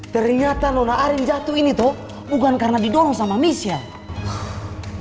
ternyata lona arin jatuh ini toh bukan karena didorong sama michelle